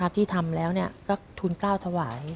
ที่ทำแล้วก็ทุนกล้าวถวาย